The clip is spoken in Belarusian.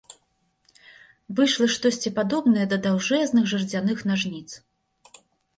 Выйшла штосьці падобнае да даўжэзных жардзяных нажніц.